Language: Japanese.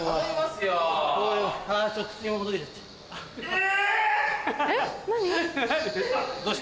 え！